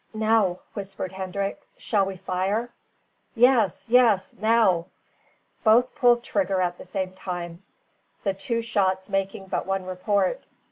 "Now," whispered Hendrik, "shall we fire?" "Yes, yes! now!" Both pulled trigger at the same time, the two shots making but one report.